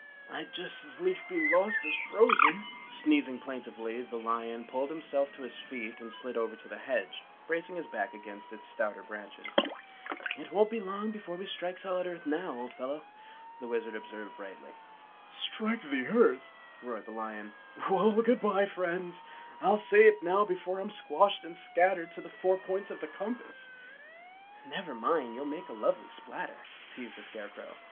"I'd just as lief be lost as frozen!" Sneezing plaintively, the lion pulled himself to his feet and slid over to the hedge, bracing his back against its stouter branches. "It won't be long before we strike solid earth now, old fellow," the Wizard observed brightly. "Strike the earth!" roared the lion. "Well, good bye, friends! I'll say it now before I'm squashed and scattered to the four points of the compass!" "Never mind, you'll make a lovely splatter!" teased the Scarecrow.